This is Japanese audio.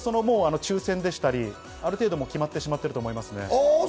抽選でしたり、ある程度、決まっているとは思いますね。